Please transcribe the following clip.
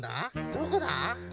どこだ？